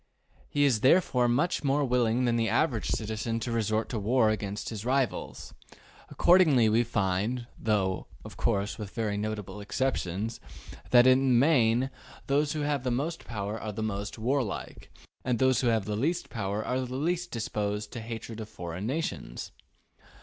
He is therefore much more willing than the average citizen to resort to war against his rivals. Accordingly we find, though, of course, with very notable exceptions, that in the main those who have most power are most warlike, and those who have least power are least disposed to hatred of foreign nations.